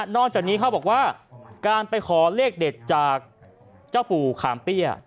จากนี้เขาบอกว่าการไปขอเลขเด็ดจากเจ้าปู่ขามเปี้ย